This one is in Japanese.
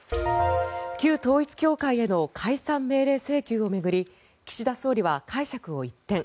旧統一教会への解散命令請求を巡り岸田総理は解釈を一転。